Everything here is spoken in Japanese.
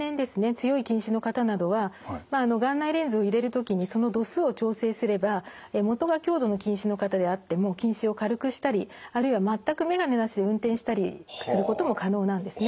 強い近視の方などは眼内レンズを入れる時にその度数を調整すれば元が強度の近視の方であっても近視を軽くしたりあるいは全く眼鏡なしで運転したりすることも可能なんですね。